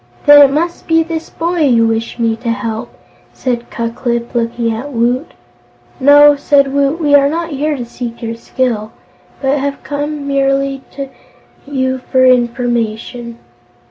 "Then it must be this boy you wish me to help," said Ku Klip, looking at Woot. "No," said Woot, "we are not here to seek your skill, but have merely come to you for information."